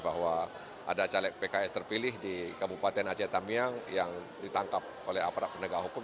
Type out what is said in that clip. bahwa ada caleg pks terpilih di kabupaten aceh tamiang yang ditangkap oleh aparat penegak hukum